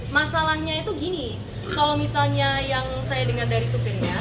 masalahnya itu gini kalau misalnya yang saya dengar dari supirnya